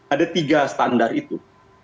ada tiga standar itu